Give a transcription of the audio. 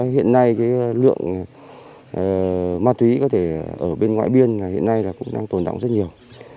hiện nay lượng ma túy có thể ở bên ngoại biên hiện nay cũng đang tồn đọng rất nhiều